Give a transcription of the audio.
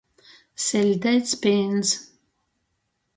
Siļdeits pīns.